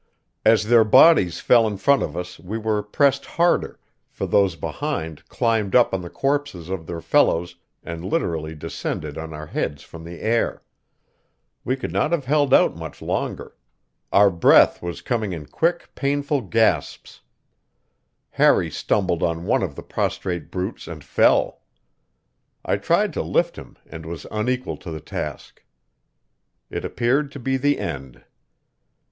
As their bodies fell in front of us we were pressed harder, for those behind climbed up on the corpses of their fellows and literally descended on our heads from the air. We could not have held out much longer; our breath was coming in quick, painful gasps; Harry stumbled on one of the prostrate brutes and fell; I tried to lift him and was unequal to the task. It appeared to be the end.